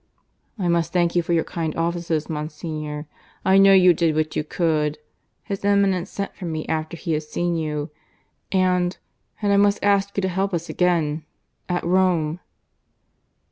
"I must thank you for your kind offices, Monsignor. I know you did what you could. His Eminence sent for me after he had seen you. And ... and I must ask you to help us again ... at Rome."